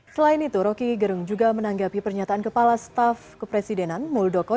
selain itu roky gerung juga menanggapi pernyataan kepala staff kepresidenan muldoko